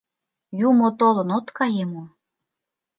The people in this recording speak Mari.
Юмо толын, от кае мо?